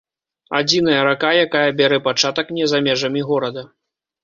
Адзіная рака, якая бярэ пачатак не за межамі горада.